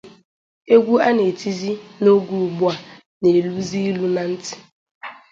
Egwu a na-etizị n'oge ugbu a na-eluzị ilu na ntị